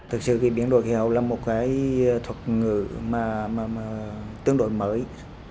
thực sự thì biến đổi khí hậu là một cái thuật ngữ mà tương đối mới